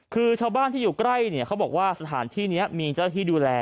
คือชาวบ้านที่อยู่ใกล้เนี่ยเขาบอกว่าสถานที่นี้มีเจ้าที่ดูแล